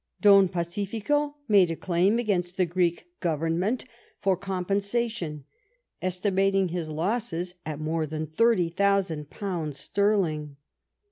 Don Pacifico made a claim against the Greek Government for compensation, estimating his losses at more than thirty thousand pounds sterling.